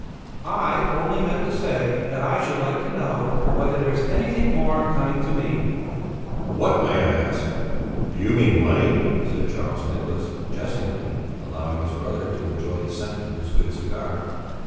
"I only meant to say that I should like to know whether there's anything more coming to me?" "What, may I ask? Do you mean money?" said Charles Nicholas, jestingly, allowing his brother to enjoy the scent of his good cigar.